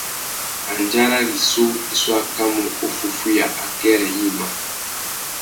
Andjara rissú i su akamú uffúffüiya akêrê yïmá.